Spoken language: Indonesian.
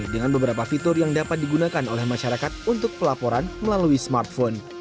dengan beberapa fitur yang dapat digunakan oleh masyarakat untuk pelaporan melalui smartphone